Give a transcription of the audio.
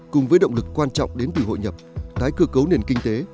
cùng với động lực quan trọng đến từ hội nhập tái cơ cấu nền kinh tế